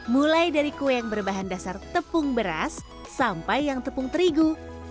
mulai dari kue yang berbahan dasar tepung beras sampai yang tepung terigu